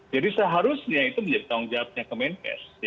jadi seharusnya itu menjadi tanggung jawabnya kemenkes